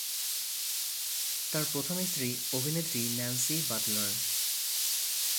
তার প্রথম স্ত্রী অভিনেত্রী ন্যান্সি বাটলার।